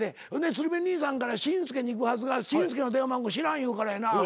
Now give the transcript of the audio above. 鶴瓶兄さんから紳助にいくはずが紳助の電話番号知らん言うからやな。